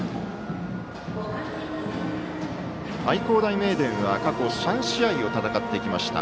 愛工大名電は過去３試合を戦ってきました。